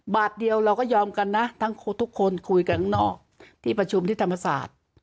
บาทเดียวเราก็ยอมกันนะทั้งทุกคนคุยกันข้างนอกที่ประชุมที่ธรรมศาสตร์